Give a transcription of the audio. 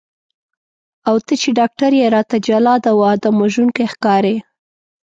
او ته چې ډاکټر یې راته جلاد او آدم وژونکی ښکارې.